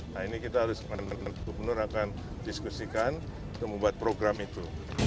nah ini kita harus gubernur akan diskusikan untuk membuat program itu